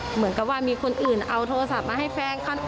เหมือนกับว่ามีคนอื่นเอาโทรศัพท์มาให้แฟน